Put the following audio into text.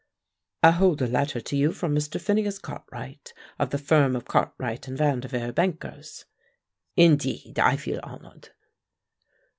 "I hold a letter to you from Mr. Phineas Cartwright, of the firm of Cartwright & Vanderveer, bankers." "Indeed! I feel honored."